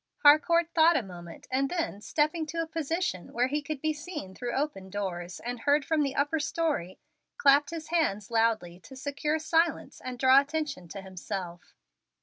Harcourt thought a moment, and then, stepping to a position where he could be seen through open doors and heard from the upper story, clapped his hands loudly to secure silence and draw attention to himself.